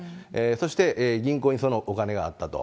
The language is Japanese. そして、銀行にそのお金があったと。